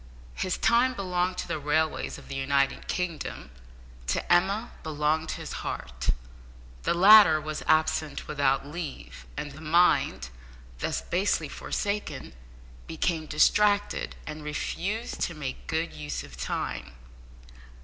His time belonged to the railways of the United Kingdom; to Emma belonged his heart. The latter was absent without leave, and the mind, thus basely forsaken, became distracted, and refused to make good use of time.